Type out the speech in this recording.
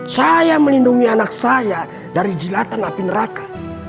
saya melindungi anak saya dari jilatan api neraka